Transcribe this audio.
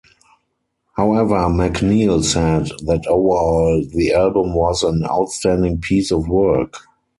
However, MacNeil said that overall the album was "an outstanding piece of work".